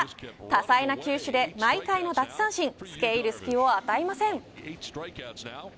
多彩な球種で毎回の奪三振つけ入る隙を与えません。